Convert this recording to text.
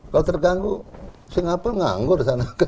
kalau terganggu singapura nganggur